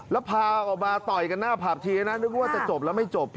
แล้วพาออกมาต่อยกันหน้าผับทีนะนึกว่าจะจบแล้วไม่จบ